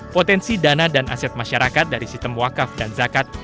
potensi dana dan aset masyarakat dari sistem wakaf dan zakat